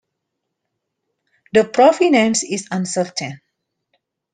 The provenance is uncertain.